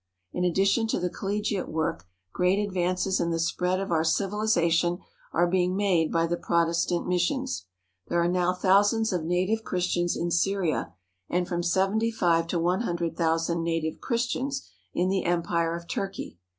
In addition to the collegiate work great advances in the spread of our civilization are being made by the Protestant missions. There are now thousands of native Christians in Syria and from seventy five to one hundred thousand native Christians in the empire of Turkey.